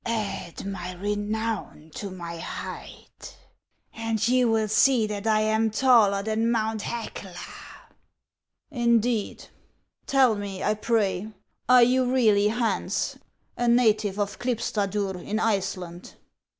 " Add my renown to my height, and you will see that I am taller than Mount Hecla." " Indeed ! Tell me, I pray, are you really Hans, a native of Klipstadur in Iceland